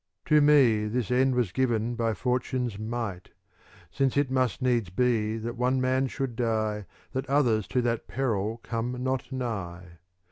To me this end was given by Fortune's might; Since it must needs be that one man should die, That others to that peril come not nigh.